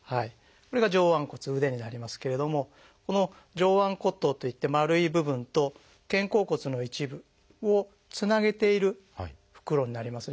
これが上腕骨腕になりますけれどもこの上腕骨頭といって丸い部分と肩甲骨の一部をつなげている袋になります。